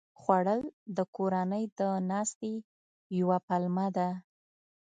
خوړل د کورنۍ د ناستې یوه پلمه ده